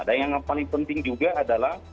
nah yang paling penting juga adalah